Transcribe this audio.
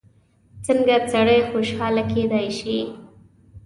څنګه سړی خوشحاله کېدای شي؟